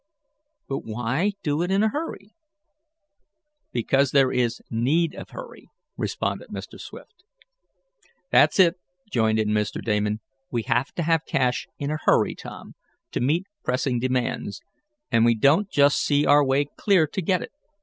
"But why do it in a hurry?" "Because there is need of hurry," responded Mr. Swift. "That's it," joined in Mr. Damon. "We have to have cash in a hurry, Tom, to meet pressing demands, and we don't just see our way clear to get it.